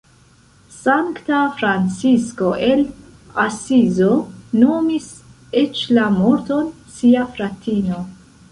Sankta Francisko el Asizo nomis eĉ la morton "sia fratino".